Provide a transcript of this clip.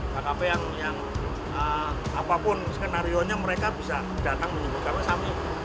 kkp yang apapun skenario nya mereka bisa datang